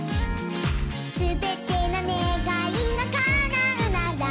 「すべてのねがいがかなうなら」